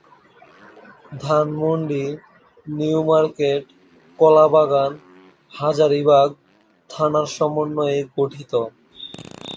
ধানমন্ডি-নিউমার্কেট-কলাবাগান-হাজারীবাগ থানার সমন্বয়ে গঠিত।